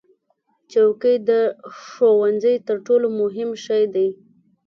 چوکۍ د ښوونځي تر ټولو مهم شی دی.